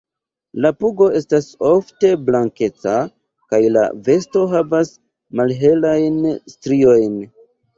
La pugo estas ofte blankeca kaj la vosto havas malhelajn striojn.